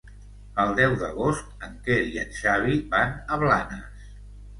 El deu d'agost en Quer i en Xavi van a Blanes.